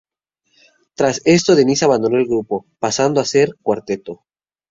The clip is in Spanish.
Tras esto Denise abandonó el grupo, pasando a ser un cuarteto.